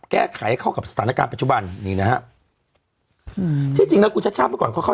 แก้ไขให้เข้ากับสถานการณ์ปัจจุบันนี่นะฮะอืมที่จริงแล้วคุณชาติชาติเมื่อก่อนเขาเข้า